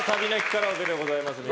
カラオケでございます。